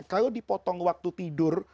kalau dipotong waktu tidur